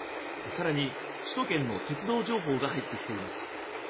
更に、首都圏の鉄道情報が入ってきています。